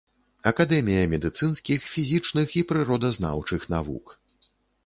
Акадэмія медыцынскіх, фізічных і прыродазнаўчых навук.